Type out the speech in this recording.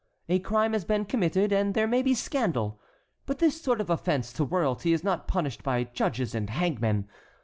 A crime has been committed, and there may be scandal. But this sort of offence to royalty is not punished by judges and hangmen.